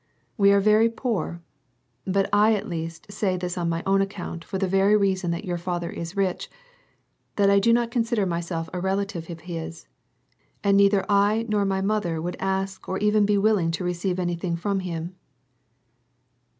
We are very poor, but I at least say this on my own account for the very reason that your father is rich, that I do not consider myself a relative of his, and neither I nor my mother would ask or even be willing to receive anything from him."